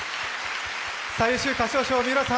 最優秀歌唱賞、三浦さん